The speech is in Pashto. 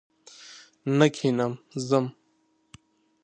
نه کښېنم ځم!